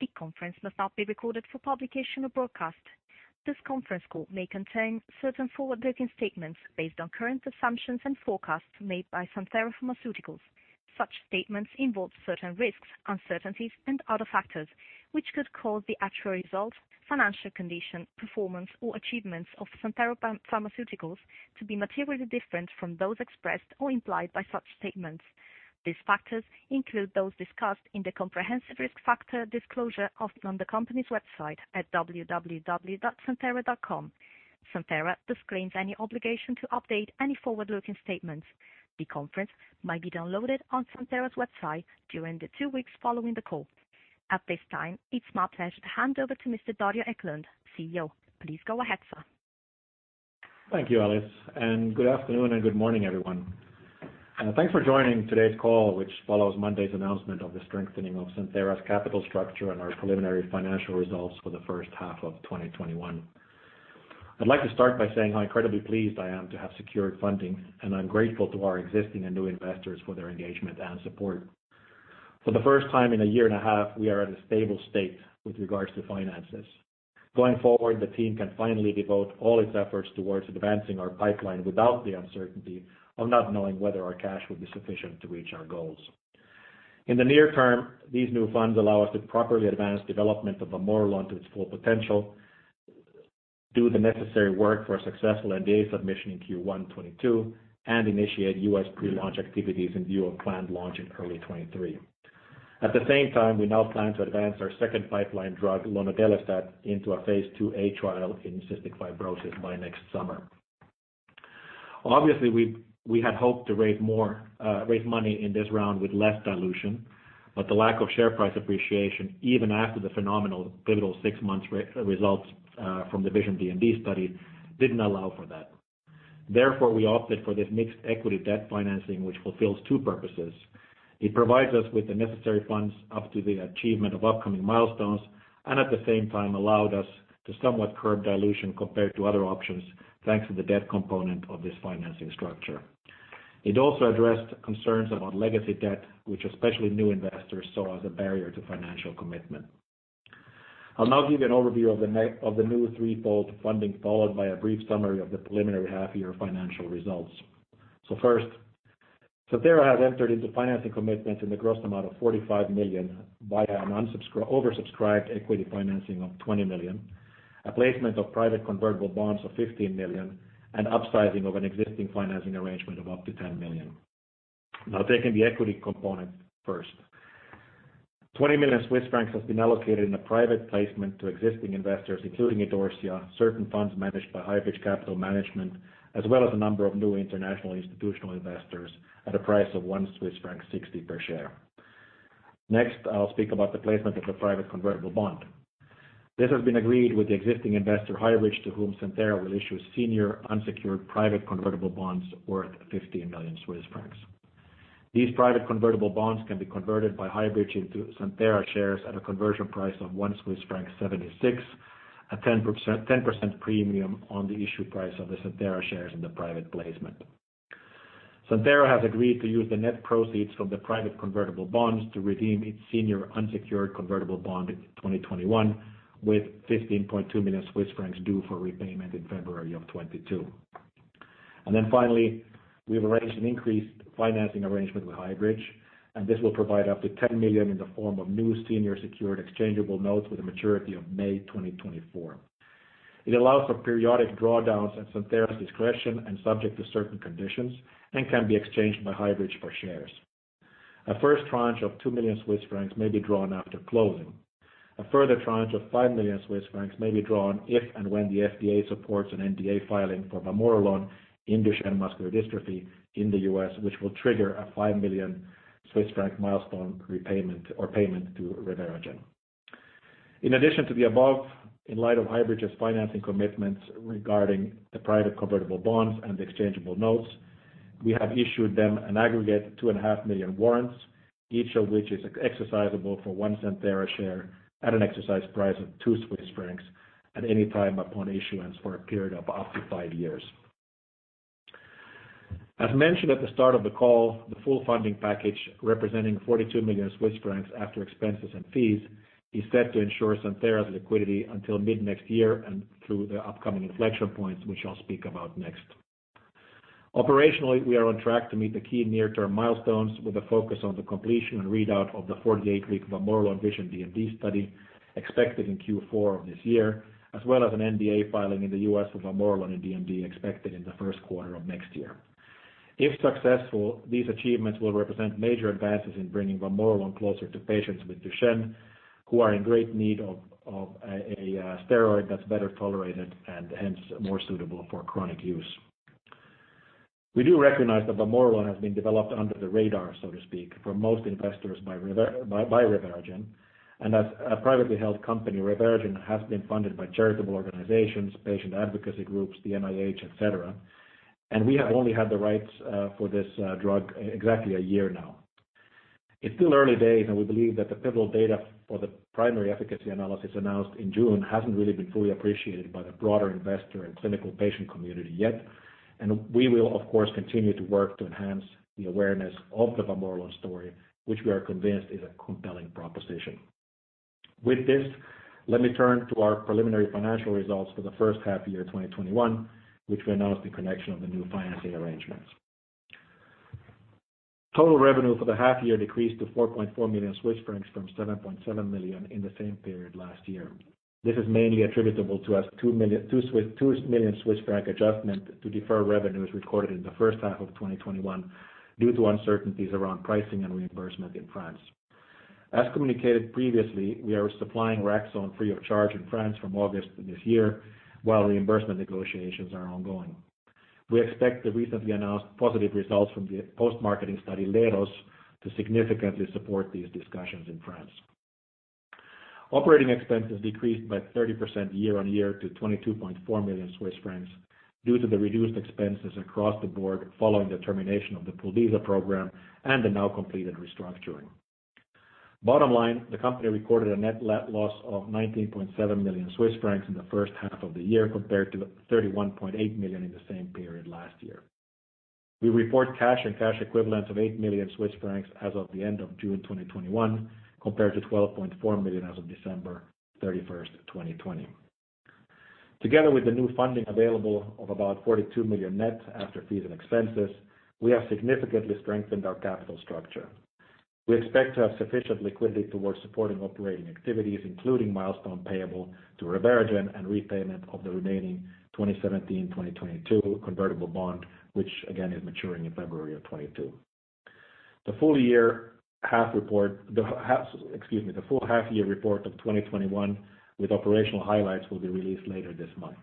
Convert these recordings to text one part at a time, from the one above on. The conference must not be recorded for publication or broadcast. This conference call may contain certain forward-looking statements based on current assumptions and forecasts made by Santhera Pharmaceuticals. Such statements involve certain risks, uncertainties, and other factors, which could cause the actual results, financial condition, performance, or achievements of Santhera Pharmaceuticals to be materially different from those expressed or implied by such statements. These factors include those discussed in the comprehensive risk factor disclosure posted on the company's website at www.santhera.com. Santhera disclaims any obligation to update any forward-looking statements. The conference might be downloaded on Santhera's website during the two weeks following the call. At this time, it's my pleasure to hand over to Mr. Dario Eklund, CEO. Please go ahead, sir. Thank you, Alice, good afternoon and good morning, everyone. Thanks for joining today's call, which follows Monday's announcement of the strengthening of Santhera's capital structure and our preliminary financial results for the first half of 2021. I'd like to start by saying how incredibly pleased I am to have secured funding, and I'm grateful to our existing and new investors for their engagement and support. For the first time in a year and a half, we are at a stable state with regards to finances. Going forward, the team can finally devote all its efforts towards advancing our pipeline without the uncertainty of not knowing whether our cash would be sufficient to reach our goals. In the near term, these new funds allow us to properly advance development of vamorolone to its full potential, do the necessary work for a successful NDA submission in Q1 2022, and initiate U.S. pre-launch activities in view of planned launch in early 2023. At the same time, we now plan to advance our second pipeline drug, lonodelestat, into a phase IIa trial in cystic fibrosis by next summer. Obviously, we had hoped to raise money in this round with less dilution, but the lack of share price appreciation, even after the phenomenal pivotal 6 months results from the VISION-DMD study, didn't allow for that. Therefore, we opted for this mixed equity debt financing, which fulfills two purposes. It provides us with the necessary funds up to the achievement of upcoming milestones, and at the same time allowed us to somewhat curb dilution compared to other options, thanks to the debt component of this financing structure. It also addressed concerns about legacy debt, which especially new investors saw as a barrier to financial commitment. I'll now give you an overview of the new threefold funding, followed by a brief summary of the preliminary half-year financial results. First, Santhera has entered into financing commitments in the gross amount of 45 million via an oversubscribed equity financing of 20 million, a placement of private convertible bonds of 15 million, and upsizing of an existing financing arrangement of up to 10 million. Taking the equity component first. 20 million Swiss francs has been allocated in a private placement to existing investors, including Idorsia, certain funds managed by Highbridge Capital Management, as well as a number of new international institutional investors at a price of 1.60 Swiss franc per share. Next, I'll speak about the placement of the private convertible bond. This has been agreed with the existing investor, Highbridge, to whom Santhera will issue senior unsecured private convertible bonds worth 15 million Swiss francs. These private convertible bonds can be converted by Highbridge into Santhera shares at a conversion price of 1.76 Swiss franc, a 10% premium on the issue price of the Santhera shares in the private placement. Santhera has agreed to use the net proceeds from the private convertible bonds to redeem its senior unsecured convertible bond in 2021, with 15.2 million Swiss francs due for repayment in February of 2022. Finally, we have arranged an increased financing arrangement with Highbridge. This will provide up to 10 million in the form of new senior secured exchangeable notes with a maturity of May 2024. It allows for periodic drawdowns at Santhera's discretion and subject to certain conditions and can be exchanged by Highbridge for shares. A first tranche of 2 million Swiss francs may be drawn after closing. A further tranche of 5 million Swiss francs may be drawn if and when the FDA supports an NDA filing for vamorolone in Duchenne muscular dystrophy in the U.S., which will trigger a 5 million Swiss franc milestone repayment or payment to ReveraGen. In addition to the above, in light of Highbridge's financing commitments regarding the private convertible bonds and the exchangeable notes, we have issued them an aggregate 2.5 million warrants, each of which is exercisable for one Santhera share at an exercise price of 2 Swiss francs at any time upon issuance for a period of up to five years. As mentioned at the start of the call, the full funding package, representing 42 million Swiss francs after expenses and fees, is set to ensure Santhera's liquidity until mid-next year and through the upcoming inflection points, which I'll speak about next. Operationally, we are on track to meet the key near-term milestones with a focus on the completion and readout of the 48-week vamorolone VISION-DMD study expected in Q4 of this year, as well as an NDA filing in the U.S. for vamorolone in DMD expected in the first quarter of next year. If successful, these achievements will represent major advances in bringing vamorolone closer to patients with Duchenne who are in great need of a steroid that's better tolerated and hence more suitable for chronic use. We do recognize that vamorolone has been developed under the radar, so to speak, for most investors by ReveraGen, and as a privately held company, ReveraGen has been funded by charitable organizations, patient advocacy groups, the NIH, et cetera. We have only had the rights for this drug exactly a year now. It's still early days, we believe that the pivotal data for the primary efficacy analysis announced in June hasn't really been fully appreciated by the broader investor and clinical patient community yet. We will, of course, continue to work to enhance the awareness of the vamorolone story, which we are convinced is a compelling proposition. With this, let me turn to our preliminary financial results for the first half year 2021, which we announced in connection of the new financing arrangements. Total revenue for the half year decreased to 4.4 million Swiss francs from 7.7 million in the same period last year. This is mainly attributable to a 2 million Swiss franc adjustment to defer revenues recorded in the first half of 2021 due to uncertainties around pricing and reimbursement in France. As communicated previously, we are supplying Raxone free of charge in France from August this year, while reimbursement negotiations are ongoing. We expect the recently announced positive results from the post-marketing study, LEROS, to significantly support these discussions in France. Operating expenses decreased by 30% year-on-year to 22.4 million Swiss francs due to the reduced expenses across the board following the termination of the Puldysa program and the now completed restructuring. Bottom line, the company recorded a net loss of 19.7 million Swiss francs in the first half of the year, compared to 31.8 million in the same period last year. We report cash and cash equivalents of 8 million Swiss francs as of the end of June 2021, compared to 12.4 million as of December 31st, 2020. Together with the new funding available of about 42 million net after fees and expenses, we have significantly strengthened our capital structure. We expect to have sufficient liquidity towards supporting operating activities, including milestone payable to ReveraGen and repayment of the remaining 2017-2022 convertible bond, which again is maturing in February of 2022. The full half-year report of 2021 with operational highlights will be released later this month.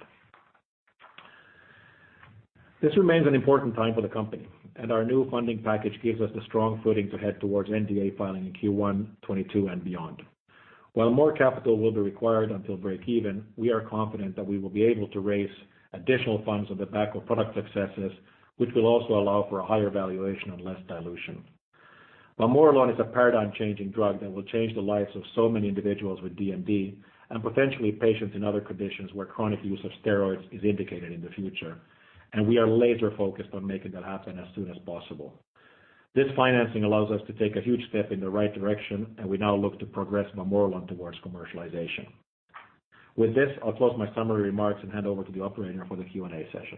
This remains an important time for the company, and our new funding package gives us the strong footing to head towards NDA filing in Q1 2022 and beyond. While more capital will be required until break even, we are confident that we will be able to raise additional funds on the back of product successes, which will also allow for a higher valuation and less dilution. Vamorolone is a paradigm-changing drug that will change the lives of so many individuals with DMD and potentially patients in other conditions where chronic use of steroids is indicated in the future. We are laser-focused on making that happen as soon as possible. This financing allows us to take a huge step in the right direction, and we now look to progress vamorolone towards commercialization. With this, I'll close my summary remarks and hand over to the operator for the Q&A session.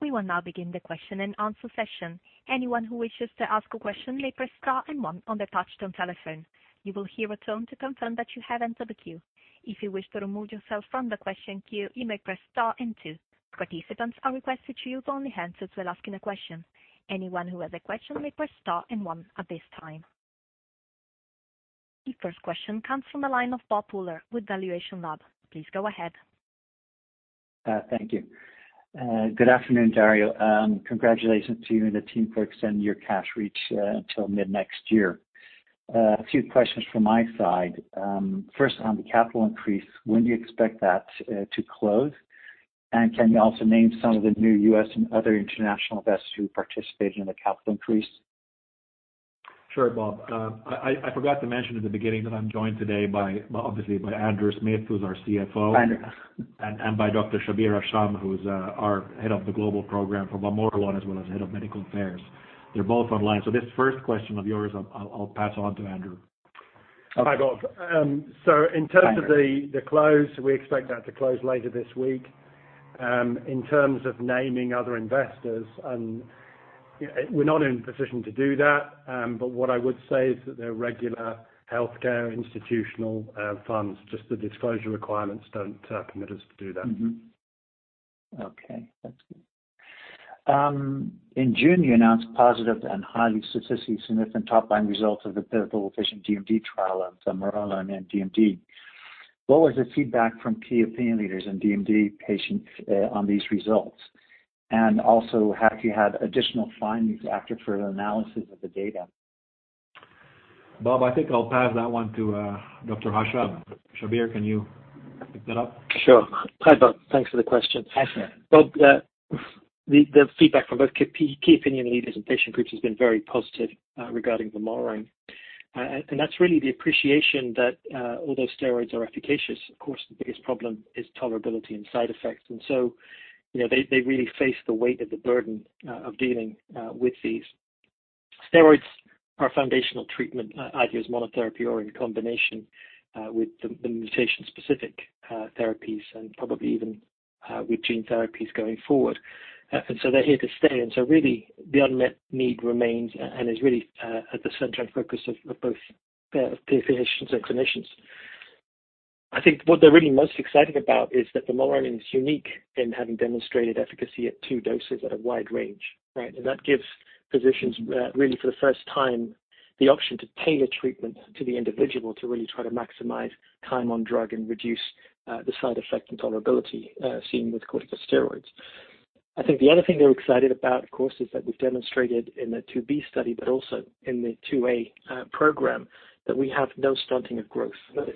We will now begin the question and answer session. Anyone who wishes to ask a question, may press star and one on their touch-tone telephone. You will hear a tone to confirm that you have entered the queue. If you wish to remove yourself from the question queue, you may press star and two. Participants are requested to unmute only when asking a question. Anyone who has a question may press star and one at this time. The first question comes from the line of Bob Pooler with valuationLAB. Please go ahead. Thank you. Good afternoon, Dario. Congratulations to you and the team for extending your cash reach until mid-next year. A few questions from my side. First on the capital increase, when do you expect that to close? Can you also name some of the new U.S. and other international investors who participated in the capital increase? Sure, Bob. I forgot to mention at the beginning that I'm joined today obviously by Andrew Smith, who's our CFO. Andrew. By Dr. Shabir Hasham, who's our head of the global program for vamorolone, as well as head of medical affairs. They're both online. This first question of yours, I'll pass on to Andrew. Hi, Bob. Hi, Andrew In terms of the close, we expect that to close later this week. In terms of naming other investors, we're not in a position to do that. What I would say is that they're regular healthcare institutional funds, just the disclosure requirements don't permit us to do that. Okay, that's good. In June, you announced positive and highly statistically significant top-line results of the pivotal VISION-DMD trial of vamorolone and DMD. What was the feedback from key opinion leaders and DMD patients on these results? Also, have you had additional findings after further analysis of the data? Bob, I think I'll pass that one to Dr. Hasham. Shabir, can you pick that up? Sure. Hi, Bob. Thanks for the question. Happy to. Bob, the feedback from both key opinion leaders and patient groups has been very positive regarding vamorolone. That's really the appreciation that although steroids are efficacious, of course, the biggest problem is tolerability and side effects. They really face the weight of the burden of dealing with these. Steroids are a foundational treatment, either as monotherapy or in combination with the mutation-specific therapies and probably even with gene therapies going forward. They're here to stay. Really the unmet need remains and is really at the center and focus of both patients and clinicians. I think what they're really most excited about is that vamorolone is unique in having demonstrated efficacy at two doses at a wide range. Right? That gives physicians really for the first time, the option to tailor treatment to the individual to really try to maximize time on drug and reduce the side effect intolerability seen with corticosteroids. I think the other thing they're excited about, of course, is that we've demonstrated in the phase IIb study, but also in the phase IIa program, that we have no stunting of growth, which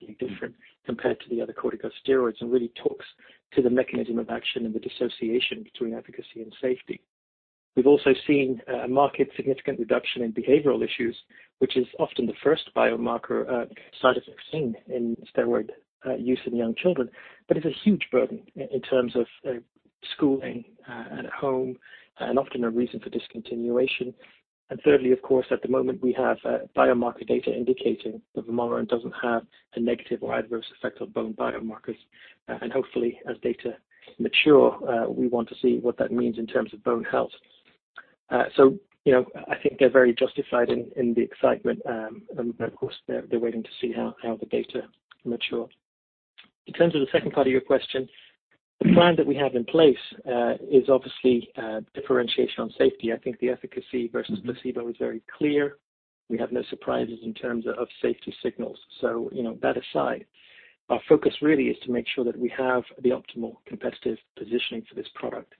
is different compared to the other corticosteroids and really talks to the mechanism of action and the dissociation between efficacy and safety. We've also seen a marked significant reduction in behavioral issues, which is often the first biomarker side effect seen in steroid use in young children, but it's a huge burden in terms of schooling at home and often a reason for discontinuation. Thirdly, of course, at the moment we have biomarker data indicating that vamorolone doesn't have a negative or adverse effect on bone biomarkers. Hopefully, as data mature, we want to see what that means in terms of bone health. I think they're very justified in the excitement. Of course, they're waiting to see how the data mature. In terms of the second part of your question, the plan that we have in place is obviously differentiation on safety. I think the efficacy versus placebo is very clear. We have no surprises in terms of safety signals. That aside, our focus really is to make sure that we have the optimal competitive positioning for this product.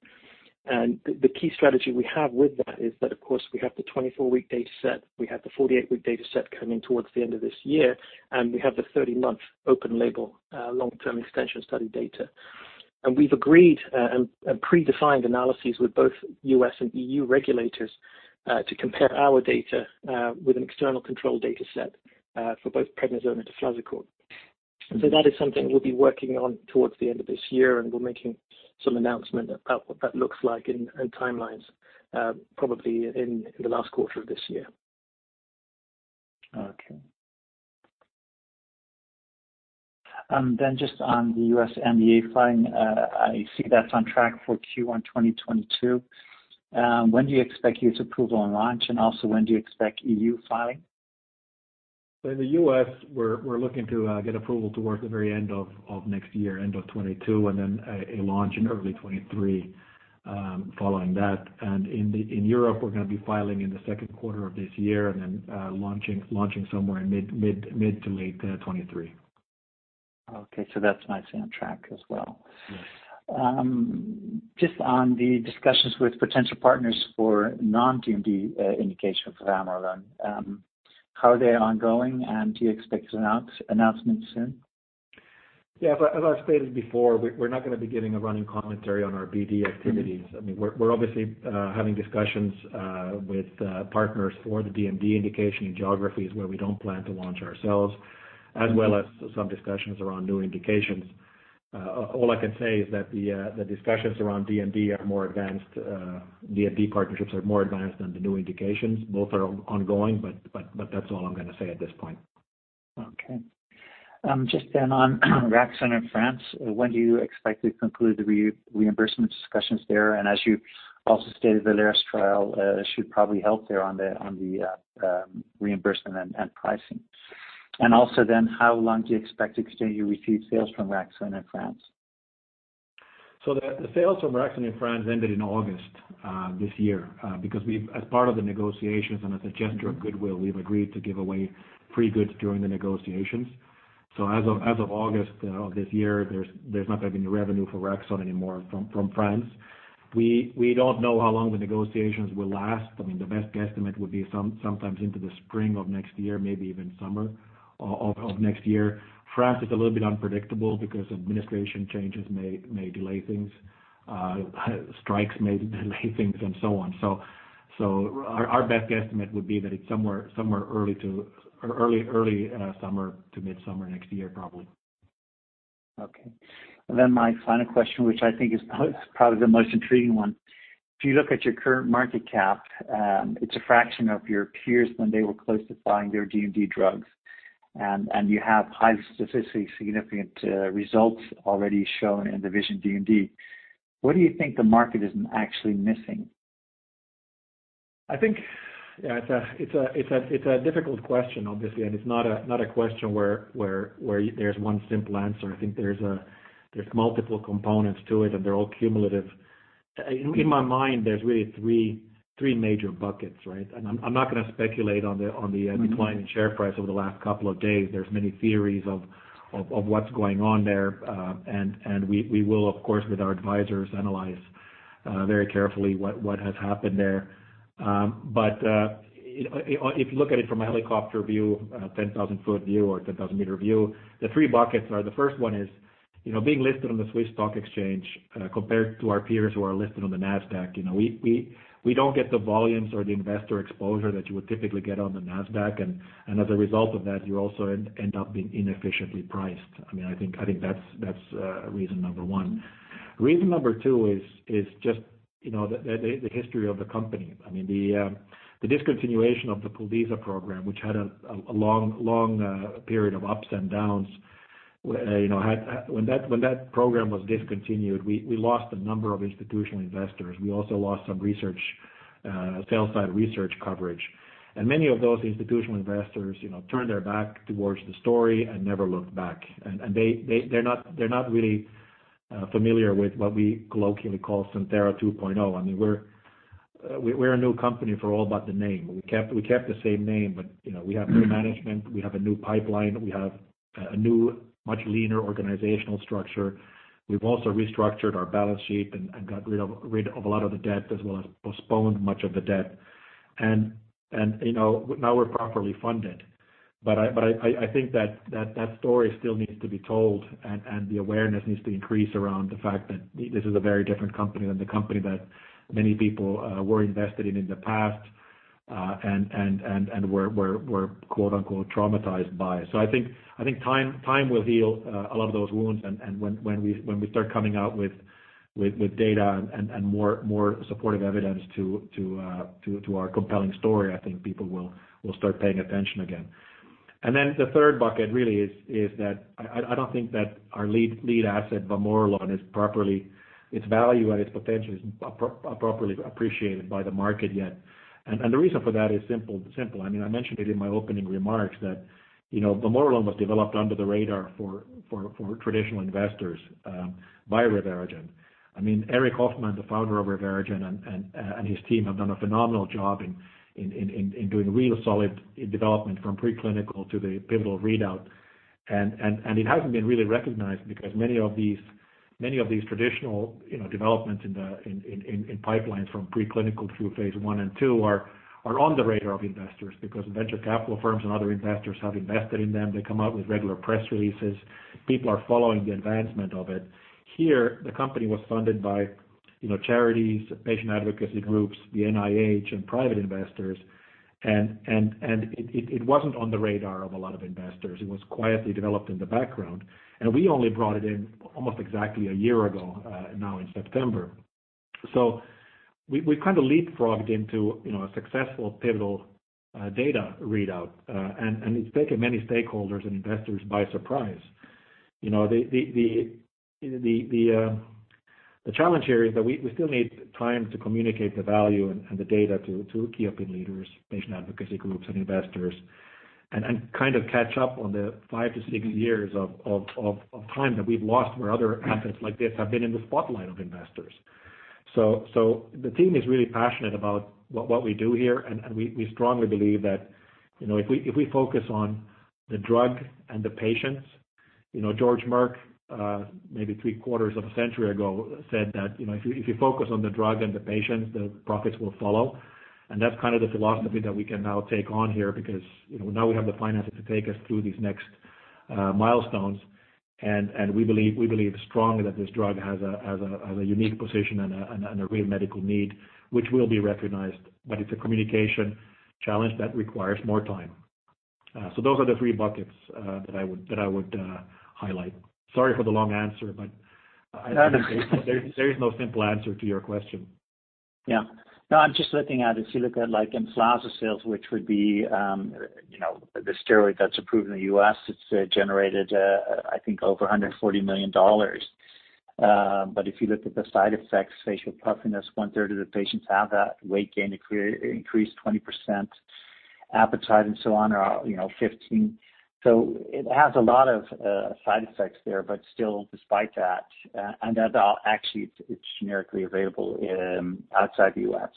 The key strategy we have with that is that, of course, we have the 24-week data set, we have the 48-week data set coming towards the end of this year, and we have the 30-month open label long-term extension study data. We've agreed and predefined analyses with both U.S. and EU regulators to compare our data with an external control data set for both prednisone and deflazacort. That is something we'll be working on towards the end of this year, and we're making some announcement about what that looks like and timelines probably in the last quarter of this year. Just on the U.S. NDA filing, I see that's on track for Q1 2022. When do you expect U.S. approval and launch, and also when do you expect E.U. filing? In the U.S., we're looking to get approval towards the very end of next year, end of 2022, then a launch in early 2023 following that. In Europe, we're going to be filing in the second quarter of this year, and then launching somewhere in mid to late 2023. Okay, that's nicely on track as well. Yes. Just on the discussions with potential partners for non-DMD indication for vamorolone. How are they ongoing, and do you expect an announcement soon? Yeah, as I've stated before, we're not going to be giving a running commentary on our BD activities. We're obviously having discussions with partners for the DMD indication in geographies where we don't plan to launch ourselves, as well as some discussions around new indications. All I can say is that the discussions around DMD partnerships are more advanced than the new indications. Both are ongoing, but that's all I'm going to say at this point. Okay. Just then on Raxone in France, when do you expect to conclude the reimbursement discussions there? As you also stated, the LEROS trial should probably help there on the reimbursement and pricing. How long do you expect to continue to receive sales from Raxone in France? The sales from Raxone in France ended in August this year, because as part of the negotiations and as a gesture of goodwill, we've agreed to give away free goods during the negotiations. As of August of this year, there's not going to be any revenue for Raxone anymore from France. We don't know how long the negotiations will last. The best guesstimate would be sometimes into the spring of next year, maybe even summer of next year. France is a little bit unpredictable because administration changes may delay things, strikes may delay things, and so on. Our best guesstimate would be that it's somewhere early summer to midsummer next year, probably. Okay. My final question, which I think is probably the most intriguing one. If you look at your current market cap, it's a fraction of your peers when they were close to filing their DMD drugs. You have high statistically significant results already shown in the VISION-DMD. What do you think the market is actually missing? I think it's a difficult question, obviously, and it's not a question where there's one simple answer. I think there's multiple components to it, and they're all cumulative. In my mind, there's really three major buckets, right? I'm not going to speculate on the decline in share price over the last couple of days. There's many theories of what's going on there. We will, of course, with our advisors, analyze very carefully what has happened there. But if you look at it from a helicopter view, a 10,000-foot view or a 10,000-meter view, the three buckets are, the first one is being listed on the Swiss Stock Exchange compared to our peers who are listed on the NASDAQ. We don't get the volumes or the investor exposure that you would typically get on the NASDAQ, and as a result of that, you also end up being inefficiently priced. I think that's reason number one. Reason number two is just the history of the company. The discontinuation of the Puldysa program, which had a long period of ups and downs. When that program was discontinued, we lost a number of institutional investors. We also lost some sell-side research coverage. Many of those institutional investors turned their back towards the story and never looked back. They're not really familiar with what we colloquially call Santhera 2.0. We're a new company for all but the name. We kept the same name, but we have new management, we have a new pipeline, we have a new, much leaner organizational structure. We've also restructured our balance sheet and got rid of a lot of the debt as well as postponed much of the debt. Now, we're properly funded. I think that that story still needs to be told and the awareness needs to increase around the fact that this is a very different company than the company that many people were invested in in the past and were "traumatized" by it. I think time will heal a lot of those wounds and when we start coming out with data and more supportive evidence to our compelling story, I think people will start paying attention again. The third bucket really is that I don't think that our lead asset vamorolone, its value and its potential is appropriately appreciated by the market yet. The reason for that is simple. I mentioned it in my opening remarks that vamorolone was developed under the radar for traditional investors by ReveraGen. Eric Hoffman, the founder of ReveraGen and his team have done a phenomenal job in doing real solid development from preclinical to the pivotal readout. It hasn't been really recognized because many of these traditional developments in pipelines from preclinical through phase I and phase II are on the radar of investors because venture capital firms and other investors have invested in them. They come out with regular press releases. People are following the advancement of it. Here, the company was funded by charities, patient advocacy groups, the NIH, and private investors. It wasn't on the radar of a lot of investors. It was quietly developed in the background, and we only brought it in almost exactly a year ago now in September. We kind of leapfrogged into a successful pivotal data readout and it's taken many stakeholders and investors by surprise. The challenge here is that we still need time to communicate the value and the data to key opinion leaders, patient advocacy groups, and investors. Kind of catch up on the 5 to 6 years of time that we've lost where other assets like this have been in the spotlight of investors. The team is really passionate about what we do here, and we strongly believe that if we focus on the drug and the patients. George Merck, maybe three quarters of a century ago said that, "If you focus on the drug and the patients, the profits will follow." That's kind of the philosophy that we can now take on here because now we have the finances to take us through these next milestones. We believe strongly that this drug has a unique position and a real medical need, which will be recognized. It's a communication challenge that requires more time. Those are the three buckets that I would highlight. Sorry for the long answer. No There is no simple answer to your question. Yeah. No, I'm just looking at if you look at like Emflaza sales, which would be the steroid that's approved in the U.S., it's generated I think over $140 million. If you look at the side effects, facial puffiness, one-third of the patients have that. Weight gain increased 20%, appetite and so on are 15%. It has a lot of side effects there, but still despite that and that actually it's generically available outside the U.S.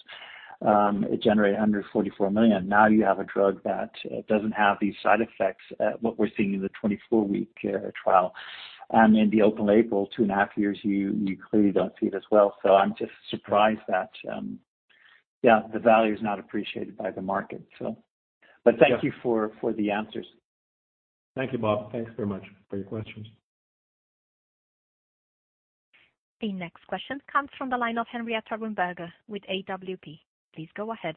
It generated $144 million. Now, you have a drug that doesn't have these side effects, what we're seeing in the 24-week trial and in the open label, 2.5 years, you clearly don't see it as well. I'm just surprised that the value is not appreciated by the market. Thank you for the answers. Thank you, Bob. Thanks very much for your questions. The next question comes from the line of Henrietta Rumberger with AWP. Please go ahead.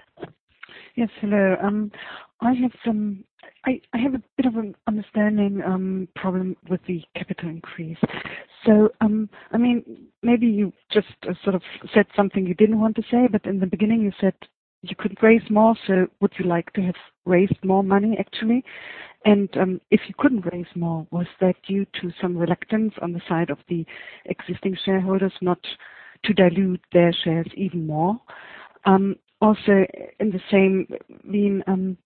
Yes. Hello. I have a bit of an understanding problem with the capital increase. Maybe you just sort of said something you didn't want to say, but in the beginning you said you couldn't raise more, so would you like to have raised more money, actually? If you couldn't raise more, was that due to some reluctance on the side of the existing shareholders not to dilute their shares even more? Also in the same vein,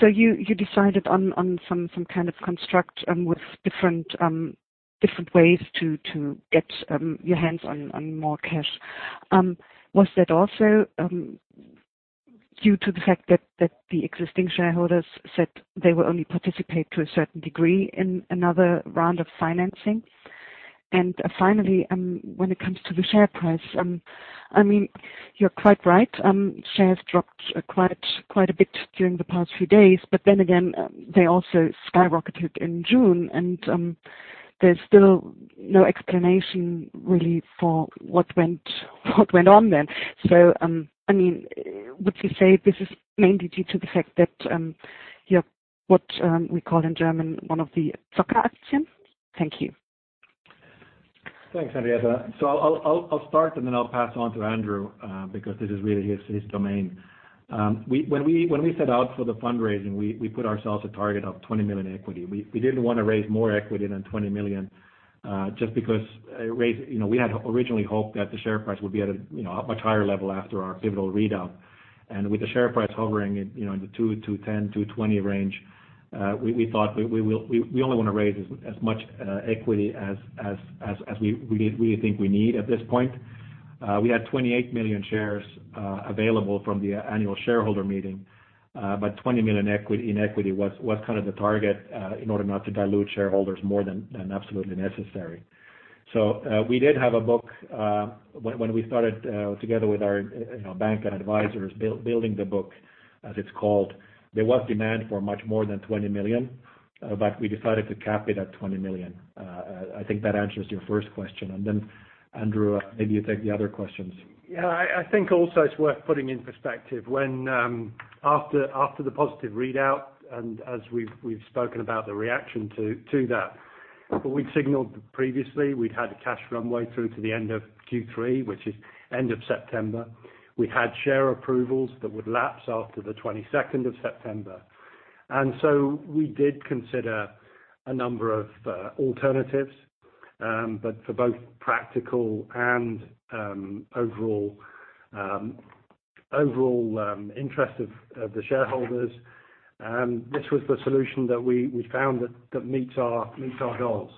you decided on some kind of construct with different ways to get your hands on more cash. Was that also due to the fact that the existing shareholders said they will only participate to a certain degree in another round of financing? Finally, when it comes to the share price you're quite right. Shares dropped quite a bit during the past few days. Then again, they also skyrocketed in June, and there's still no explanation really for what went on then. Would you say this is mainly due to the fact that you have what we call in German, one of the Zockeraktien? Thank you. Thanks, Henriette. I'll start and then I'll pass on to Andrew because this is really his domain. When we set out for the fundraising, we put ourselves a target of 20 million equity. We didn't want to raise more equity than 20 million just because we had originally hoped that the share price would be at a much higher level after our pivotal readout. With the share price hovering in the 2.10, 2.20 range, we thought we only want to raise as much equity as we think we need at this point. We had 28 million shares available from the annual shareholder meeting. 20 million in equity was kind of the target in order not to dilute shareholders more than absolutely necessary. We did have a book when we started together with our bank and advisors building the book as it's called. There was demand for much more than 20 million, but we decided to cap it at 20 million. I think that answers your first question. Andrew, maybe you take the other questions. Yeah, I think also it's worth putting in perspective when after the positive readout and as we've spoken about the reaction to that, we'd signaled previously we'd had a cash runway through to the end of Q3, which is end of September. We had share approvals that would lapse after the 22nd of September. We did consider a number of alternatives. For both practical and overall interest of the shareholders, this was the solution that we found that meets our goals.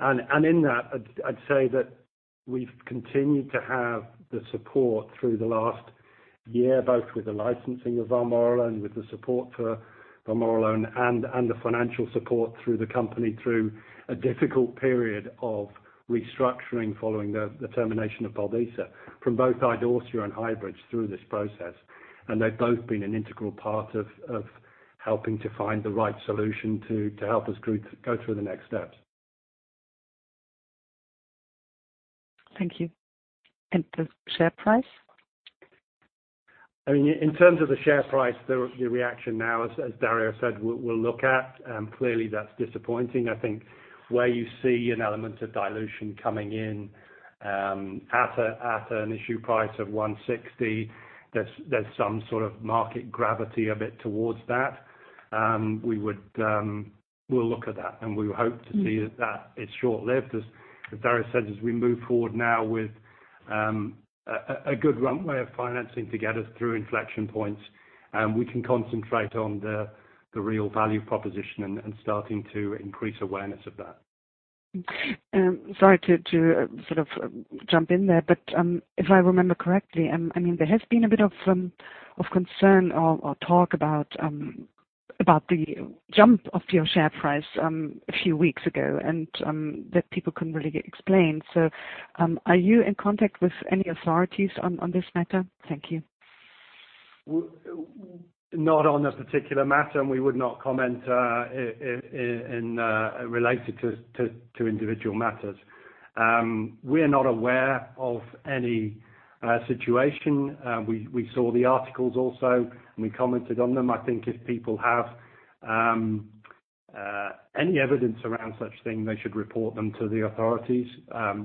In that, I'd say that we've continued to have the support through the last year, both with the licensing of vamorolone, with the support for vamorolone and the financial support through the company through a difficult period of restructuring following the termination of Puldysa from both Idorsia and Highbridge through this process. They've both been an integral part of helping to find the right solution to help us go through the next steps. Thank you. The share price? In terms of the share price, the reaction now as Dario said, we'll look at. Clearly that's disappointing. I think where you see an element of dilution coming in at an issue price of 160, there's some sort of market gravity a bit towards that. We'll look at that, and we would hope to see that, it's short-lived, as Dario said, as we move forward now with a good runway of financing to get us through inflection points, we can concentrate on the real value proposition and starting to increase awareness of that. Sorry to sort of jump in there, but if I remember correctly, there has been a bit of concern or talk about the jump of your share price a few weeks ago and that people couldn't really explain. Are you in contact with any authorities on this matter? Thank you. Not on this particular matter, and we would not comment related to individual matters. We're not aware of any situation. We saw the articles also, and we commented on them. I think if people have any evidence around such things, they should report them to the authorities.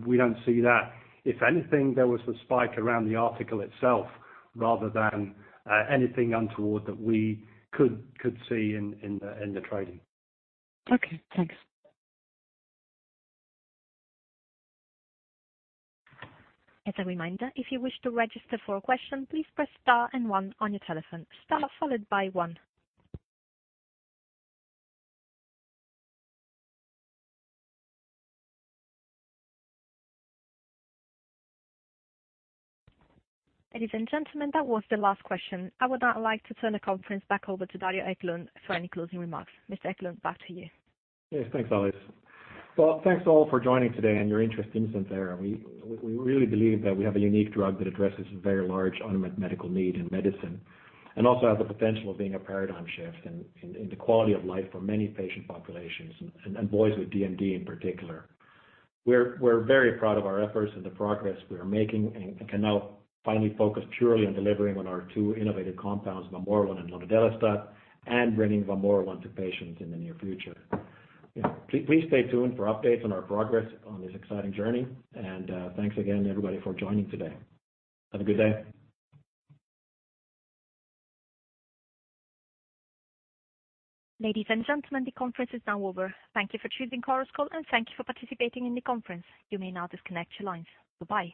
We don't see that. If anything, there was a spike around the article itself rather than anything untoward that we could see in the trading. Okay, thanks. As a reminder, if you wish to register for a question, please press star and one on your telephone, star followed by one. Ladies and gentlemen, that was the last question. I would now like to turn the conference back over to Dario Eklund for any closing remarks. Mr. Eklund, back to you. Yes, thanks Alice. Well, thanks all for joining today and your interest in Santhera. We really believe that we have a unique drug that addresses a very large unmet medical need in medicine, and also has the potential of being a paradigm shift in the quality of life for many patient populations and boys with DMD in particular. We're very proud of our efforts and the progress we are making and can now finally focus purely on delivering on our two innovative compounds, vamorolone and lonodelestat, and bringing vamorolone to patients in the near future. Please stay tuned for updates on our progress on this exciting journey. Thanks again everybody for joining today. Have a good day. Ladies and gentlemen, the conference is now over. Thank you for choosing Chorus Call, and thank you for participating in the conference. You may now disconnect your lines. Goodbye.